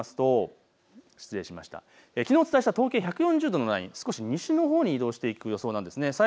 きのうお伝えした東経１４０度のライン、少し西に移動する予想です。